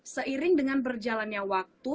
seiring dengan berjalannya waktu